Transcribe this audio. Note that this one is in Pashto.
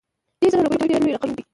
دېرش زره روپي ډېر لوی رقم دی.